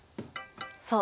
そう。